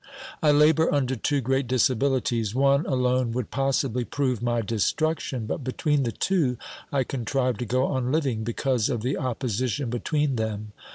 I labour under two great disabilities ; one alone would possibly prove my destruction, but between the two I con trive to go on living, because of the opposition between them.